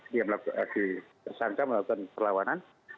dia tersangka melakukan perlawanan